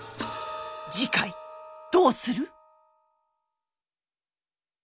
次回どうする？